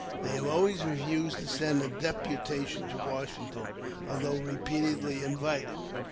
They have always refused to send a deputation to "Washington, although repeatedly invited.